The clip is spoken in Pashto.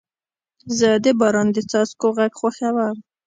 زه د باران د څاڅکو غږ خوښوم.